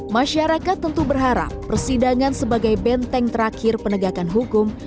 masyarakat tentu berharap persidangan sebagai benteng terakhir penegakan hukum